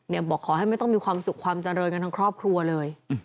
บอกขอให้ไม่ต้องมีความสุขความเจริญกันทั้งครอบครัวเลย